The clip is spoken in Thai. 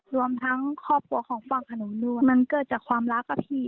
รวมทั้งครอบครัวของฝั่งขนุนด้วยมันเกิดจากความรักอะพี่